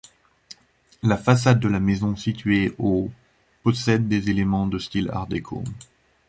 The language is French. La façade de la maison située au possède des éléments de style Art déco.